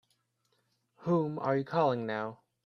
Whom are you calling now?